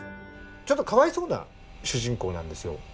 ちょっとかわいそうな主人公なんですよ。